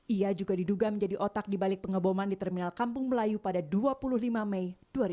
ia juga diduga menjadi otak dibalik pengeboman di terminal kampung melayu pada dua puluh lima mei dua ribu dua puluh